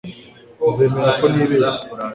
nzemera ko nibeshye